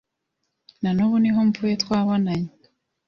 Na nubu niho mvuye.twabonanye